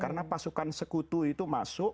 karena pasukan sekutu itu masuk